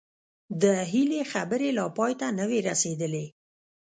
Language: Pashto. د هيلې خبرې لا پای ته نه وې رسېدلې